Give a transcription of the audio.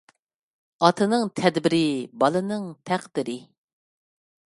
ئاتىنىڭ تەدبىرى بالىنىڭ تەقدىرى.